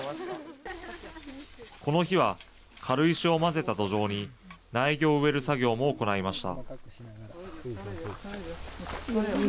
この日は、軽石を混ぜた土壌に苗木を植える作業も行いました。